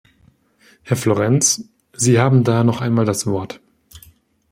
Herr Florenz, Sie haben daher noch einmal das Wort.